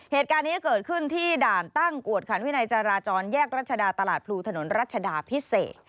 เหตุการณ์นี้เกิดขึ้นที่ด่านตั้งกวดขันวินัยจราจรแยกรัชดาตลาดพลูถนนรัชดาพิเศษ